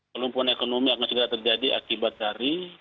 kelumpuhan ekonomi akan segera terjadi akibat dari